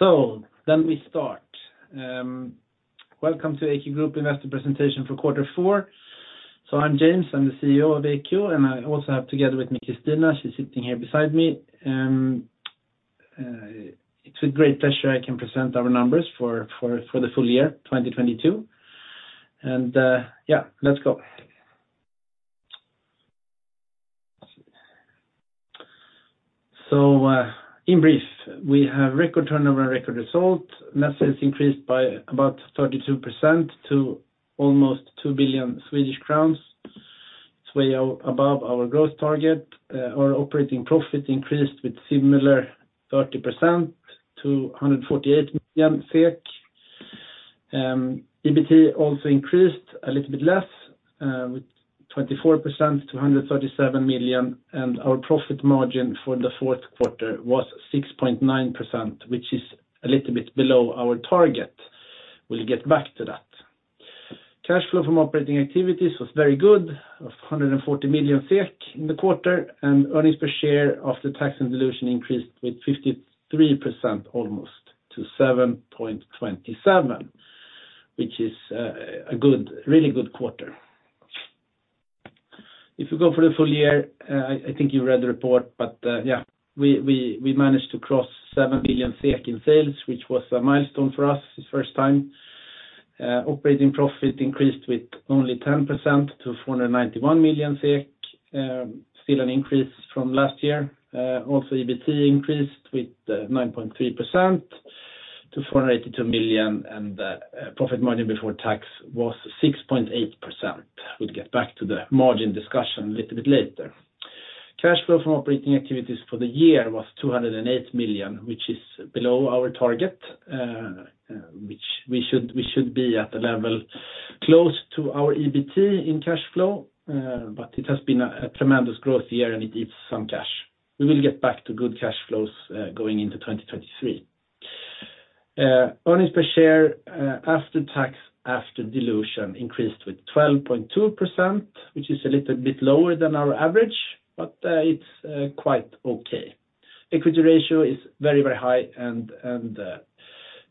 We start. Welcome to AQ Group Investor Presentation for Quarter Four. I'm James, I'm the CEO of AQ, and I also have together with me Christina, she's sitting here beside me. It's a great pleasure I can present our numbers for the full-year 2022. Yeah, let's go. In brief, we have record turnover and record result. Net sales increased by about 32% to almost 2 billion Swedish crowns. It's way above our growth target. Our operating profit increased with similar 30% to 148 million SEK. EBT also increased a little bit less, with 24% to 137 million, and our profit margin for the fourth quarter was 6.9%, which is a little bit below our target. We'll get back to that. Cash flow from operating activities was very good of 140 million SEK in the quarter. Earnings per share after tax and dilution increased with 53% almost to 7.27, which is a good, really good quarter. If you go for the full-year, I think you read the report, but, yeah, we managed to cross 7 billion SEK in sales, which was a milestone for us. It's the first time, operating profit increased with only 10% to 491 million SEK, still an increase from last year. Also, EBT increased with 9.3% to 482 million. The profit margin before tax was 6.8%. We'll get back to the margin discussion a little bit later. Cash flow from operating activities for the year was 208 million, which is below our target, which we should be at a level close to our EBT in cash flow. It has been a tremendous growth year, and it gives some cash. We will get back to good cash flows going into 2023. Earnings per share after tax, after dilution increased with 12.2%, which is a little bit lower than our average, but it's quite okay. Equity ratio is very, very high and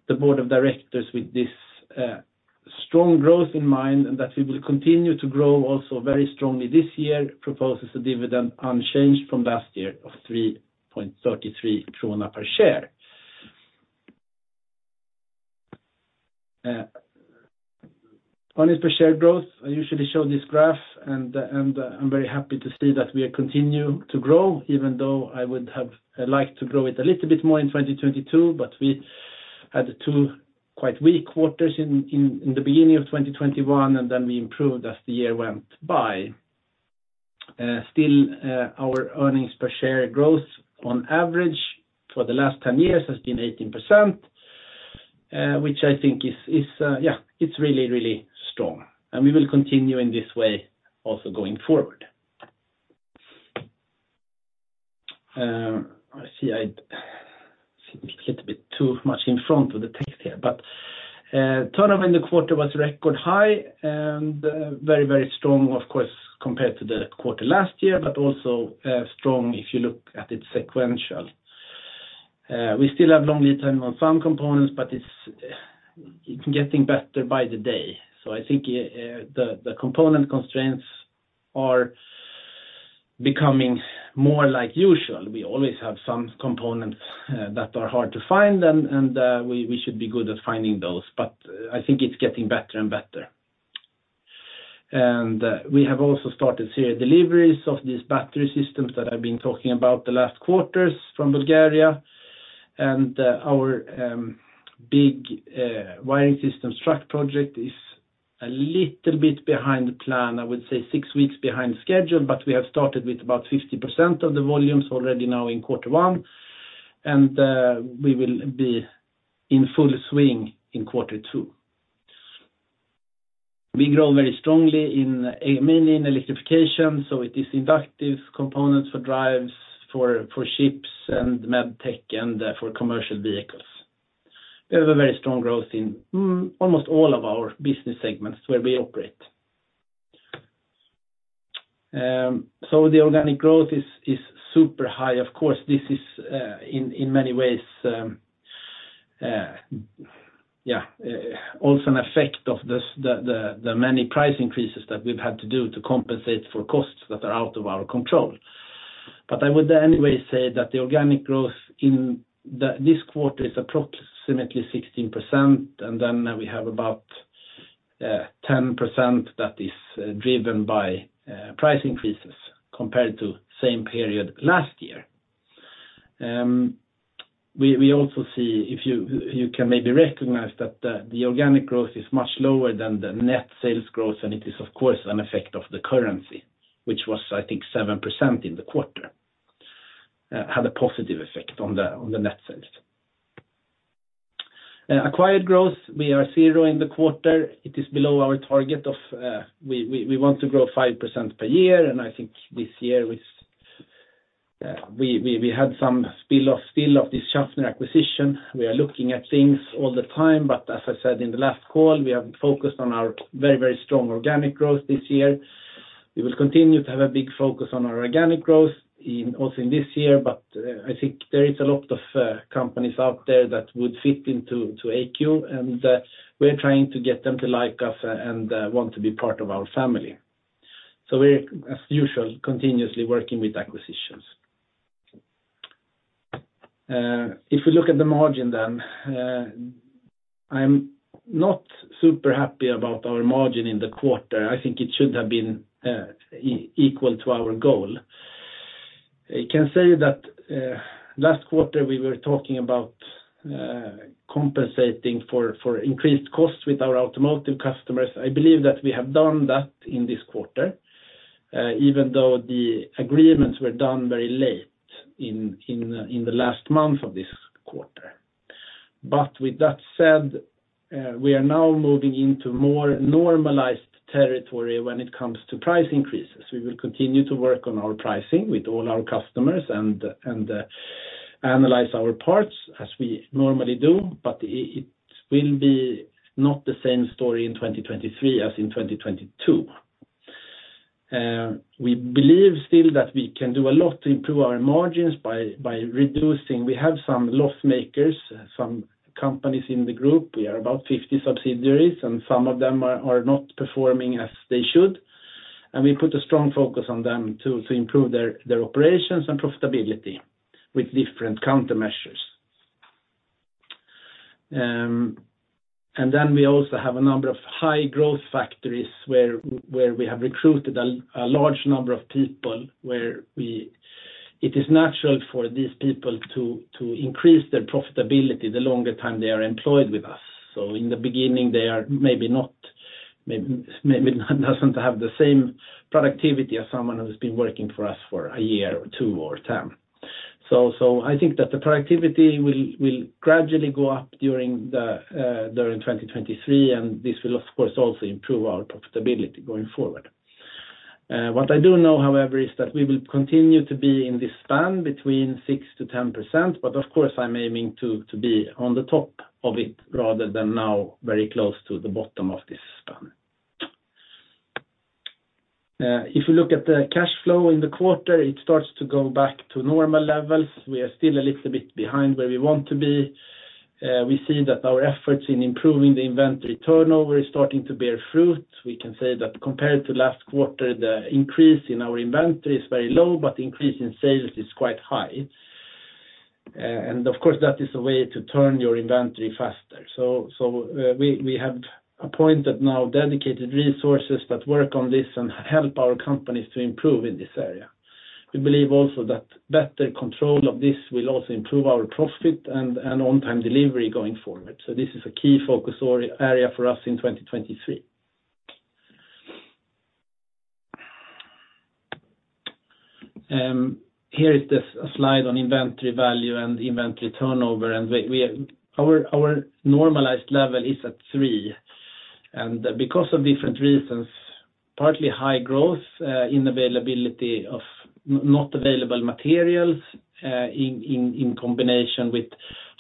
the board of directors with this strong growth in mind and that we will continue to grow also very strongly this year proposes a dividend unchanged from last year of 3.33 krona per share. Earnings per share growth, I usually show this graph and I'm very happy to see that we continue to grow even though I would have liked to grow it a little bit more in 2022, but we had two quite weak quarters in the beginning of 2021, then we improved as the year went by. Still, our earnings per share growth on average for the last 10 years has been 18%, which I think is, yeah, it's really strong. We will continue in this way also going forward. I seem to get a bit too much in front of the text here. Turnover in the quarter was record high and very, very strong of course compared to the quarter last year, but also strong if you look at it sequential. We still have long lead time on some components, but it's getting better by the day. I think the component constraints are becoming more like usual. We always have some components that are hard to find and we should be good at finding those. I think it's getting better and better. We have also started seeing deliveries of these battery systems that I've been talking about the last quarters from Bulgaria. Our big wiring systems truck project is a little bit behind the plan, I would say six weeks behind schedule, but we have started with about 50% of the volumes already now in quarter one, and we will be in full swing in quarter two. We grow very strongly in mainly in electrification, so it is Inductive Components for drives for ships and Med-tech and for commercial vehicles. We have a very strong growth in almost all of our business segments where we operate. The organic growth is super high. Of course, this is in many ways also an effect of this, the many price increases that we've had to do to compensate for costs that are out of our control. I would anyway say that the organic growth in this quarter is approximately 16%, and then we have about 10% that is driven by price increases compared to same period last year. We also see if you can maybe recognize that the organic growth is much lower than the net sales growth, and it is of course an effect of the currency, which was I think 7% in the quarter, had a positive effect on the net sales. Acquired growth, we are zero in the quarter. It is below our target of we want to grow 5% per year, and I think this year with we had some spill of this Schaffner acquisition. We are looking at things all the time, but as I said in the last call, we have focused on our very, very strong organic growth this year. We will continue to have a big focus on our organic growth in, also in this year, but I think there is a lot of companies out there that would fit into, to AQ, and we're trying to get them to like us and want to be part of our family. We're, as usual, continuously working with acquisitions. If we look at the margin then, I'm not super happy about our margin in the quarter. I think it should have been equal to our goal. I can say that last quarter, we were talking about compensating for increased costs with our automotive customers. I believe that we have done that in this quarter, even though the agreements were done very late in the last month of this quarter. With that said, we are now moving into more normalized territory when it comes to price increases. We will continue to work on our pricing with all our customers and analyze our parts as we normally do, but it will be not the same story in 2023 as in 2022. We believe still that we can do a lot to improve our margins by reducing... We have some loss makers, some companies in the group. We are about 50 subsidiaries, and some of them are not performing as they should. We put a strong focus on them to improve their operations and profitability with different countermeasures. We also have a number of high growth factories where we have recruited a large number of people, it is natural for these people to increase their profitability the longer time they are employed with us. In the beginning, they are maybe doesn't have the same productivity as someone who's been working for us for a year or two or 10. I think that the productivity will gradually go up during 2023, and this will of course also improve our profitability going forward. What I do know, however, is that we will continue to be in this span between 6%-10%, but of course, I'm aiming to be on the top of it rather than now very close to the bottom of this span. If you look at the cash flow in the quarter, it starts to go back to normal levels. We are still a little bit behind where we want to be. We see that our efforts in improving the inventory turnover is starting to bear fruit. We can say that compared to last quarter, the increase in our inventory is very low, but increase in sales is quite high. Of course, that is a way to turn your inventory faster. We have appointed now dedicated resources that work on this and help our companies to improve in this area. We believe also that better control of this will also improve our profit and on-time delivery going forward. This is a key focus area for us in 2023. Here is the slide on inventory value and inventory turnover. We, our normalized level is at three. Because of different reasons, partly high growth, in availability of not available materials, in combination with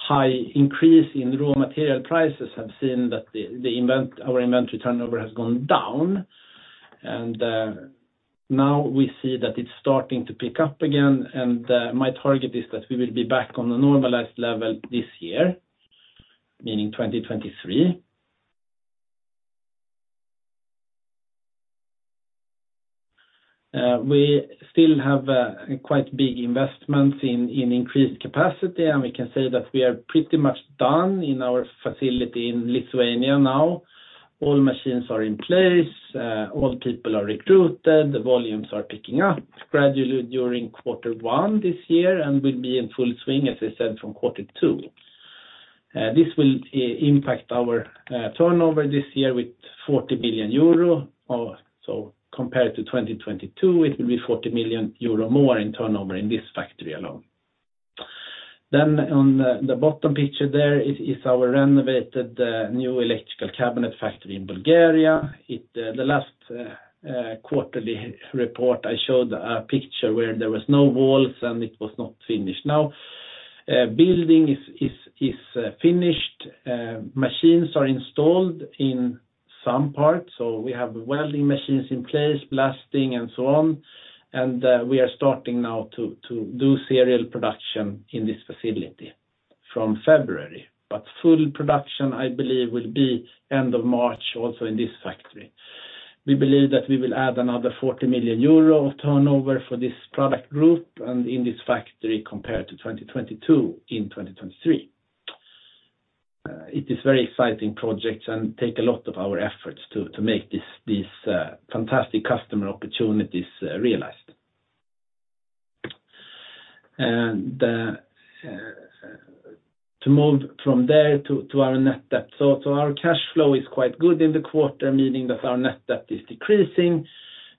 high increase in raw material prices, I've seen that our inventory turnover has gone down. Now we see that it's starting to pick up again, and my target is that we will be back on the normalized level this year, meaning 2023. We still have quite big investments in increased capacity, and we can say that we are pretty much done in our facility in Lithuania now. All machines are in place, all people are recruited, the volumes are picking up gradually during quarter one this year and will be in full swing, as I said, from quarter two. This will impact our turnover this year with 40 million euro. Compared to 2022, it will be 40 million euro more in turnover in this factory alone. On the bottom picture there is our renovated, new electrical cabinet factory in Bulgaria. It, the last quarterly report, I showed a picture where there was no walls and it was not finished. Now, building is finished, machines are installed in some parts, so we have welding machines in place, blasting, and so on. We are starting now to do serial production in this facility from February. Full production, I believe, will be end of March, also in this factory. We believe that we will add another 40 million euro of turnover for this product group and in this factory compared to 2022 in 2023. It is very exciting projects and take a lot of our efforts to make this, these fantastic customer opportunities realized. To move from there to our net debt. Our cash flow is quite good in the quarter, meaning that our net debt is decreasing,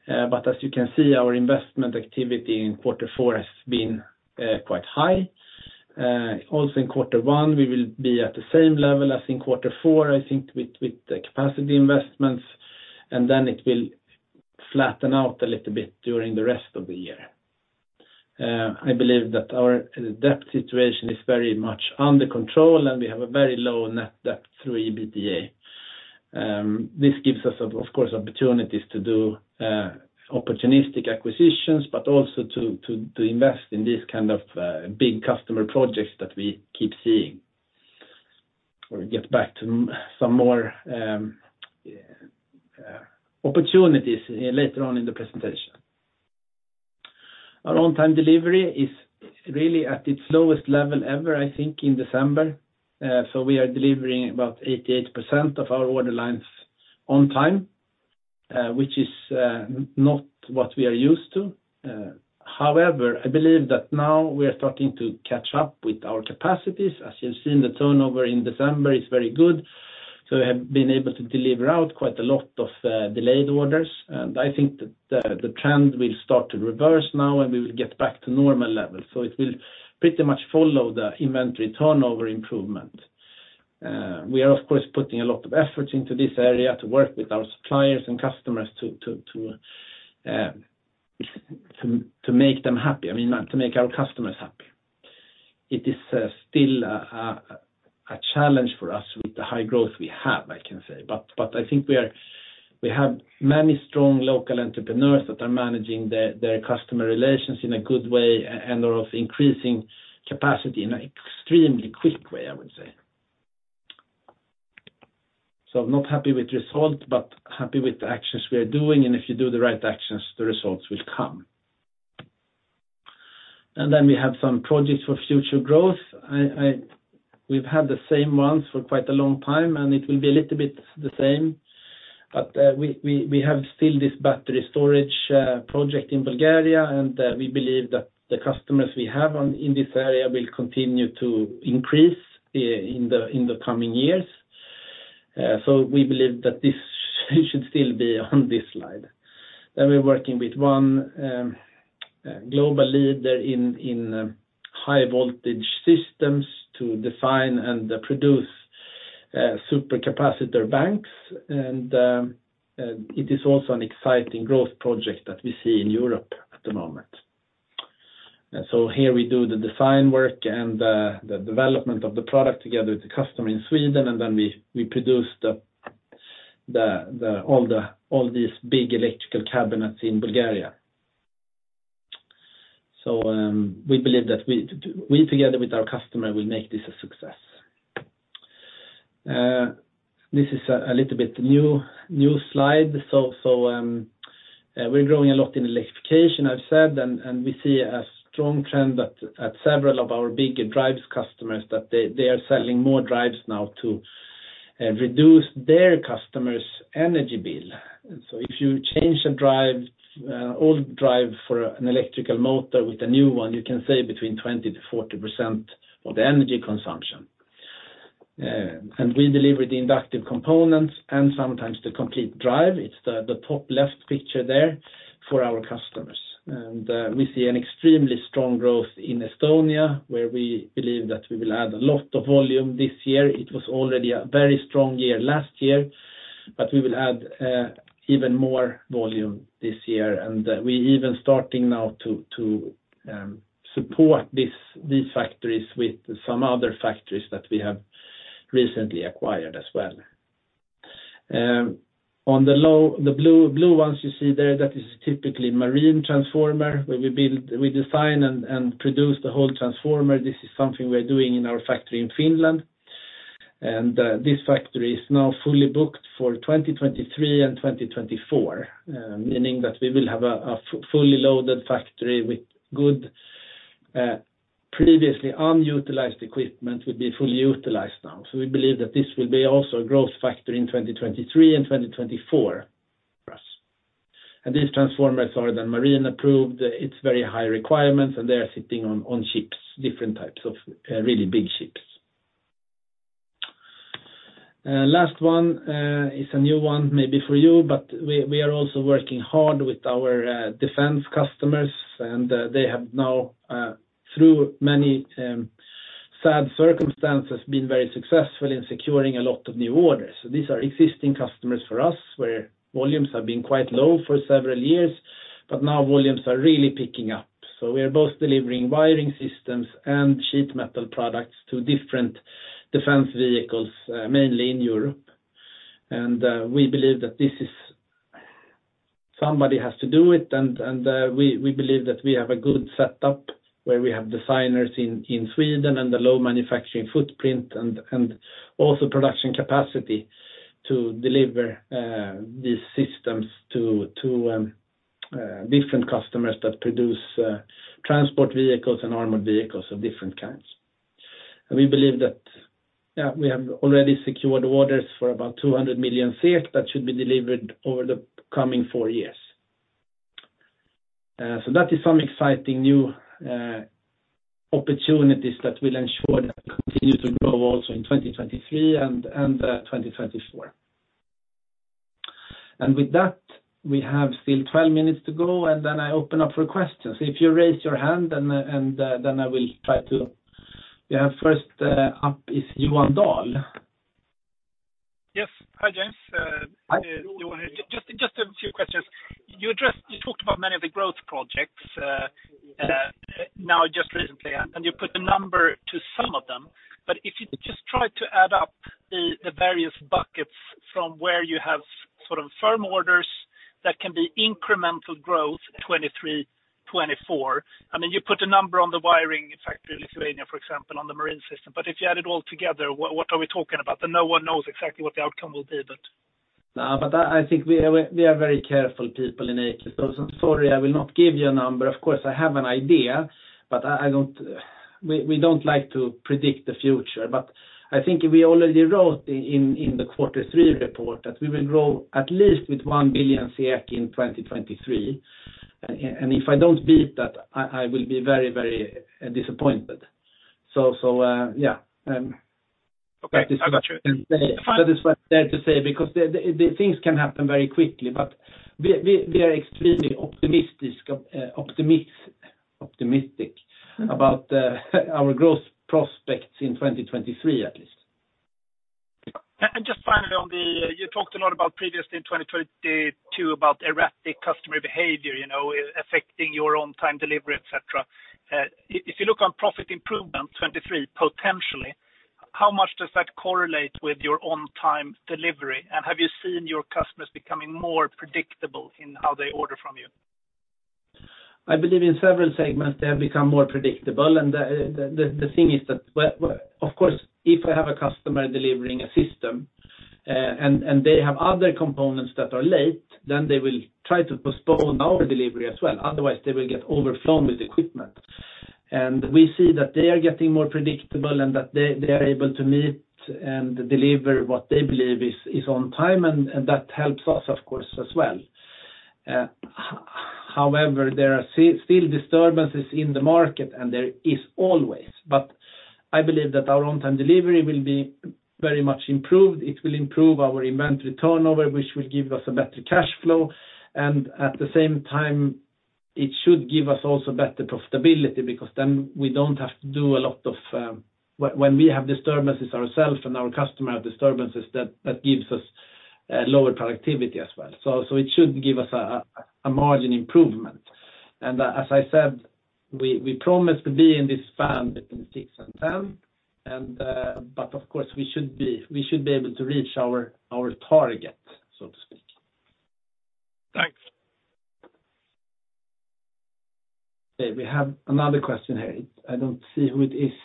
but as you can see, our investment activity in quarter four has been quite high. Also in quarter one, we will be at the same level as in quarter four, I think, with the capacity investments, and then it will flatten out a little bit during the rest of the year. I believe that our debt situation is very much under control, and we have a very low net debt through EBITDA. This gives us of course opportunities to do opportunistic acquisitions, but also to invest in these kind of big customer projects that we keep seeing. We'll get back to some more opportunities later on in the presentation. Our on-time delivery is really at its lowest level ever, I think, in December. So we are delivering about 88% of our order lines on time, which is not what we are used to. However, I believe that now we are starting to catch up with our capacities. As you've seen, the turnover in December is very good, so we have been able to deliver out quite a lot of delayed orders. I think that the trend will start to reverse now, and we will get back to normal levels. It will pretty much follow the inventory turnover improvement. We are, of course, putting a lot of effort into this area to work with our suppliers and customers to make them happy, I mean, to make our customers happy. It is still a challenge for us with the high growth we have, I can say. But I think we have many strong local entrepreneurs that are managing their customer relations in a good way and are increasing capacity in an extremely quick way, I would say. Not happy with results, but happy with the actions we are doing. If you do the right actions, the results will come. We have some projects for future growth. We've had the same ones for quite a long time, and it will be a little bit the same. We have still this battery storage project in Bulgaria, and we believe that the customers we have in this area will continue to increase in the coming years. We believe that this should still be on this slide. We're working with one global leader in high voltage systems to design and produce supercapacitor banks. It is also an exciting growth project that we see in Europe at the moment. Here we do the design work and the development of the product together with the customer in Sweden, and then we produce all these big electrical cabinets in Bulgaria. We believe that we together with our customer will make this a success. This is a little bit new slide. We're growing a lot in electrification, I've said, and we see a strong trend at several of our big drives customers that they are selling more drives now to reduce their customers' energy bill. If you change a drive, old drive for an electrical motor with a new one, you can save between 20%-40% of the energy consumption. We deliver the Inductive Components and sometimes the complete drive, it's the top left picture there, for our customers. We see an extremely strong growth in Estonia, where we believe that we will add a lot of volume this year. It was already a very strong year last year, but we will add even more volume this year. We even starting now to support these factories with some other factories that we have recently acquired as well. On the blue ones you see there, that is typically marine transformer, where we design and produce the whole transformer. This is something we're doing in our factory in Finland. This factory is now fully booked for 2023 and 2024, meaning that we will have a fully loaded factory with good, previously unutilized equipment will be fully-utilized now. We believe that this will be also a growth factor in 2023 and 2024 for us. These transformers are then marine approved. It's very high requirements, and they are sitting on ships, different types of, really big ships. Last one is a new one maybe for you, but we are also working hard with our defense customers, and they have now through many sad circumstances, been very successful in securing a lot of new orders. These are existing customers for us, where volumes have been quite low for several years, but now volumes are really picking up. We are both delivering wiring systems and sheet metal products to different defense vehicles, mainly in Europe. We believe that this is somebody has to do it, and we believe that we have a good setup, where we have designers in Sweden and the low manufacturing footprint and also production capacity to deliver these systems to different customers that produce transport vehicles and armored vehicles of different kinds. We believe that, yeah, we have already secured orders for about 200 million SEK that should be delivered over the coming four years. That is some exciting new opportunities that will ensure that we continue to grow also in 2023 and 2024. With that, we have still 12 minutes to go, and then I open up for questions. If you raise your hand and then I will try to... First up is Johan Dahl. Yes. Hi, James. Just a few questions. You talked about many of the growth projects, now just recently, and you put a number to some of them. If you just try to add up the various buckets from where you have sort of firm orders that can be incremental growth, 2023, 2024. I mean, you put a number on the wiring factory in Lithuania, for example, on the marine system. If you add it all together, what are we talking about? No one knows exactly what the outcome will be, but... I think we are very careful people in AQ. I'm sorry, I will not give you a number. Of course, I have an idea, but we don't like to predict the future. I think we already wrote in the quarter three report that we will grow at least with 1 billion in 2023. And if I don't beat that, I will be very disappointed. Yeah. Okay. I got you. That is what I had to say because the things can happen very quickly, but we are extremely optimistic about our growth prospects in 2023, at least. Just finally on the you talked a lot about previously in 2022 about erratic customer behavior, you know, affecting your on time delivery, et cetera. If you look on profit improvement, 2023 potentially, how much does that correlate with your on time delivery? Have you seen your customers becoming more predictable in how they order from you? I believe in several segments, they have become more predictable. The thing is that, well, of course, if I have a customer delivering a system, and they have other components that are late, then they will try to postpone our delivery as well. Otherwise, they will get overflown with equipment. We see that they are getting more predictable and that they are able to meet and deliver what they believe is on time, and that helps us, of course, as well. However, there are still disturbances in the market, and there is always. I believe that our on time delivery will be very much improved. It will improve our inventory turnover, which will give us a better cash flow. At the same time, it should give us also better profitability because then we don't have to do a lot of. When we have disturbances ourselves and our customer have disturbances, that gives us lower productivity as well. It should give us a margin improvement. As I said, we promise to be in this span between 6 and 10. Of course, we should be able to reach our target, so to speak. Thanks. Okay. We have another question here. I don't see who it is.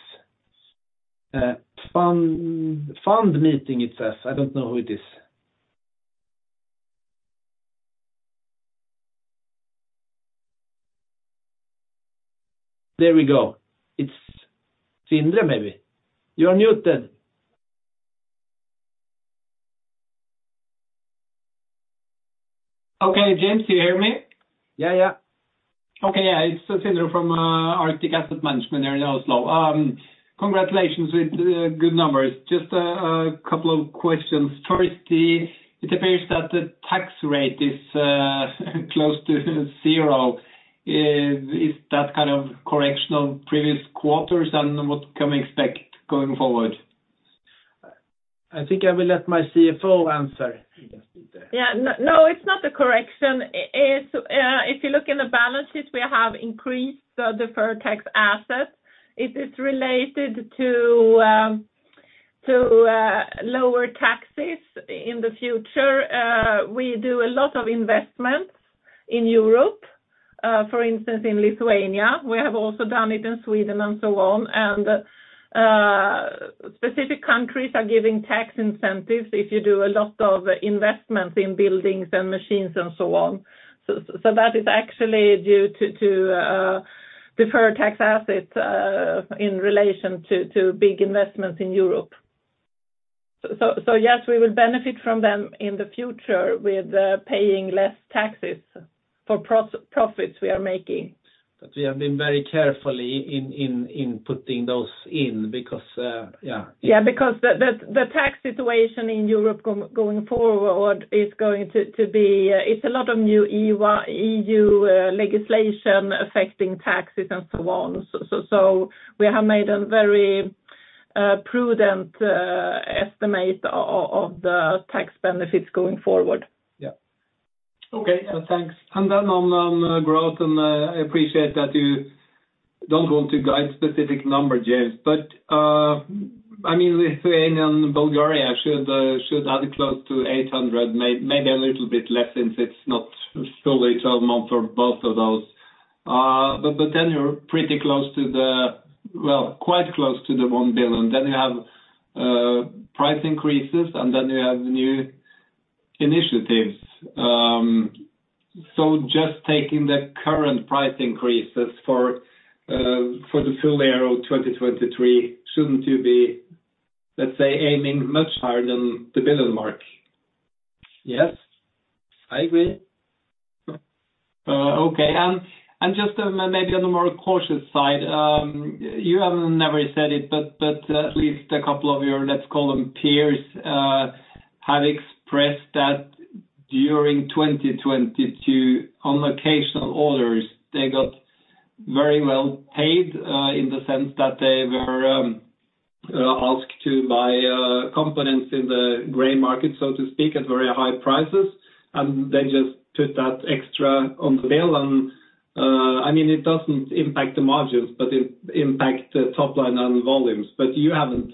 fund meeting, it says. I don't know who it is. There we go. It's Sindre, maybe. You're unmuted. Okay, James, do you hear me? Yeah, yeah. Okay, ye`ah. It's Sindre from Arctic Asset Management here in Oslo. Congratulations with the good numbers. Just a couple of questions. It appears that the tax rate is close to zero. Is that kind of correction on previous quarters, and what can we expect going forward? I think I will let my CFO answer. No, it's not a correction. It is, if you look in the balances, we have increased the deferred tax asset. It is related to lower taxes in the future. We do a lot of investments in Europe, for instance, in Lithuania. We have also done it in Sweden and so on. Specific countries are giving tax incentives if you do a lot of investments in buildings and machines and so on. That is actually due to deferred tax assets, in relation to big investments in Europe. Yes, we will benefit from them in the future with paying less taxes for profits we are making. We have been very carefully in putting those in because, yeah. Yeah, because the tax situation in Europe going forward is going to be, it's a lot of new EU legislation affecting taxes and so on. We have made a very prudent estimate of the tax benefits going forward. Yeah. Okay, thanks. Then on growth, I appreciate that you don't want to guide specific number, James. I mean, Lithuania and Bulgaria should add close to 800, maybe a little bit less since it's not fully 12 months for both of those. But then you're pretty close to the... Well, quite close to the 1 billion. You have price increases, and then you have new initiatives. Just taking the current price increases for the full year of 2023, shouldn't you be, let's say, aiming much higher than the 1 billion mark? Yes, I agree. Okay. Just maybe on the more cautious side, you have never said it, but at least a couple of your, let's call them peers, have expressed that during 2022, on occasional orders, they got very well paid in the sense that they were asked to buy components in the gray market, so to speak, at very high prices, and they just put that extra on the bill. I mean, it doesn't impact the margins, but it impact the top line on volumes. You haven't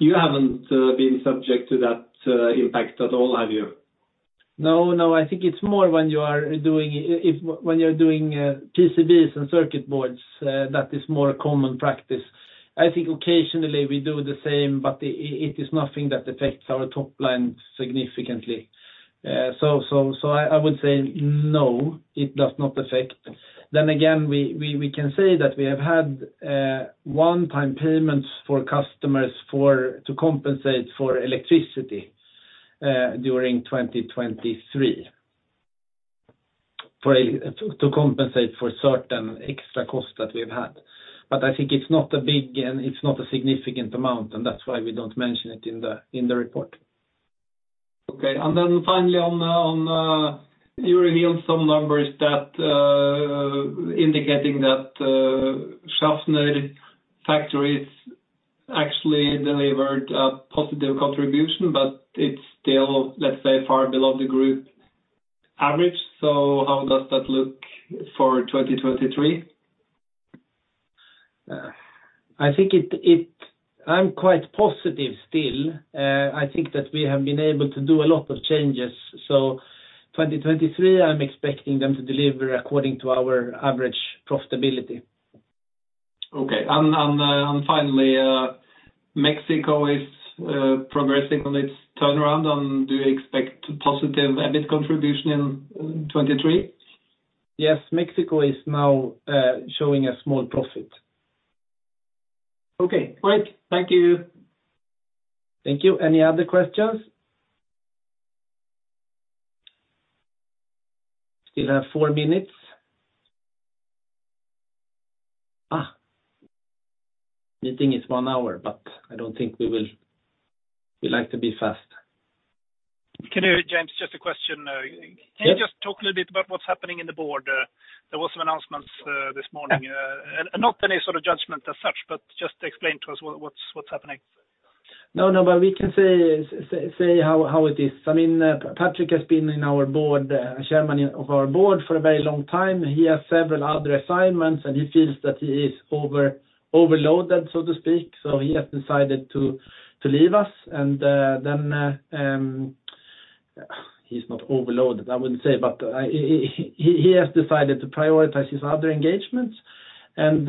been subject to that impact at all, have you? No, no. I think it's more when you're doing PCBs and circuit boards, that is more common practice. I think occasionally we do the same, but it is nothing that affects our top line significantly. I would say no, it does not affect. Again, we can say that we have had one-time payments for customers to compensate for electricity during 2023 to compensate for certain extra costs that we've had. I think it's not a big and it's not a significant amount, that's why we don't mention it in the report. Okay. Finally on, you revealed some numbers that, indicating that, Schaffhausen factory actually delivered a positive contribution, but it's still, let's say, far below the group average. How does that look for 2023? I'm quite positive still. I think that we have been able to do a lot of changes. 2023, I'm expecting them to deliver according to our average profitability. Okay. Finally, Mexico is progressing on its turnaround. Do you expect positive EBIT contribution in 2023? Yes. Mexico is now showing a small profit. Okay. All right. Thank you. Thank you. Any other questions? Still have four minutes. Meeting is one hour, but I don't think. We like to be fast. James, just a question. Can you just talk a little bit about what's happening in the board? There was some announcements this morning. Not any sort of judgment as such, but just explain to us what's happening. No, no, but we can say how it is. I mean, Patrik has been in our board, chairman of our board for a very long time. He has several other assignments, and he feels that he is overloaded, so to speak. He has decided to leave us. Then, he's not overloaded, I wouldn't say, but he has decided to prioritize his other engagements. Then,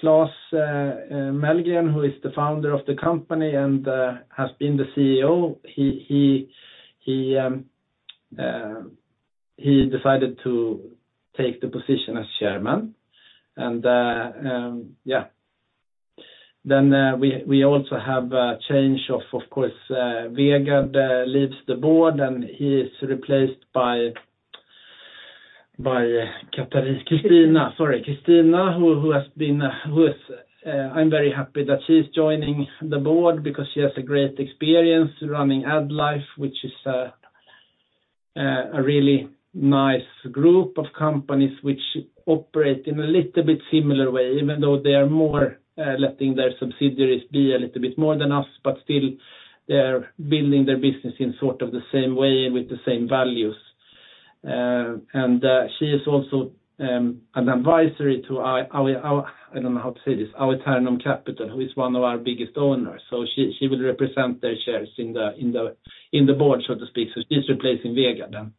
Claes Mellgren, who is the founder of the company and has been the CEO, he decided to take the position as chairman. Yeah. We also have a change, of course. Vegard leaves the board, and he is replaced by Kristina, sorry. Kristina, who has been, who is, I'm very happy that she's joining the board because she has a great experience running AddLife, which is a really nice group of companies which operate in a little bit similar way, even though they are more letting their subsidiaries be a little bit more than us, but still they're building their business in sort of the same way with the same values. She is also an advisory to our, I don't know how to say this, Aeternum Capital, who is one of our biggest owners. She will represent their shares in the board, so to speak. She's replacing Vegard then.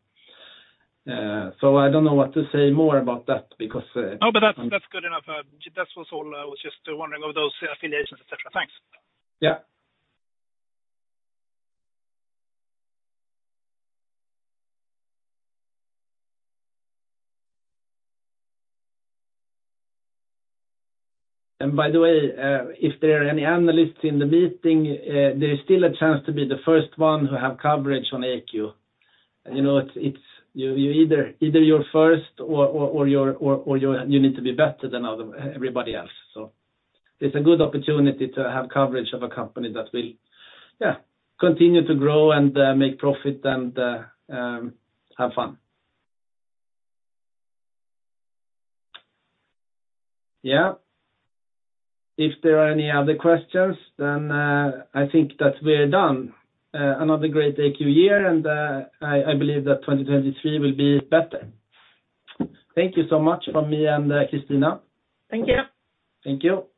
I don't know what to say more about that because. No, that's good enough. That was all. I was just wondering of those affiliations, et cetera. Thanks. Yeah. By the way, if there are any analysts in the meeting, there is still a chance to be the first one who have coverage on AQ. You know, it's, you either you're first or you're, you need to be better than other, everybody else. It's a good opportunity to have coverage of a company that will, yeah, continue to grow and make profit and have fun. Yeah. If there are any other questions, then I think that we're done. Another great AQ year and I believe that 2023 will be better. Thank you so much from me and Kristina. Thank you. Thank you.